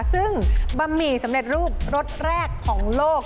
ซึ่งบะหมี่สำเร็จรูปรสแรกของโลก